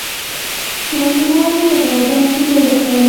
ماشومانو په میدان کې لوبه کوله.